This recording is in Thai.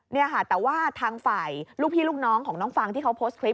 นี่ค่ะแต่ว่าทางฝ่ายลูกพี่ลูกน้องของน้องฟังที่เขาโพสต์คลิป